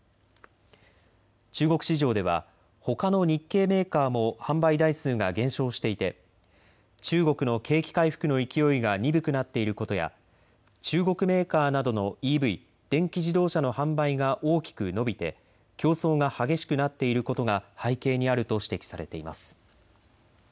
中国市場ではほかの日系メーカーも販売台数が減少していて中国の景気回復の勢いが鈍くなっていることや中国メーカーなどのＥＶ・電気自動車の販売が大きく伸びて競争が激しくなっていることが背景にあると指摘されています。